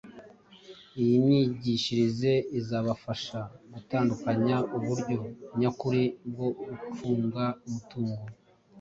Iyi myigishirize izabafasha gutandukanya uburyo nyakuri bwo gucunga umutungo